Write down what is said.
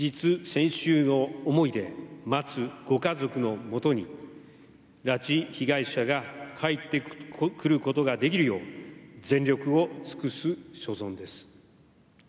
千秋の思いで待つご家族のもとに拉致被害者が帰ってくることができるよう全力を尽くす所存です。